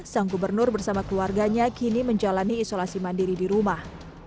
sang gubernur bersama keluarganya kini menjalani isolasi mandiri di rumah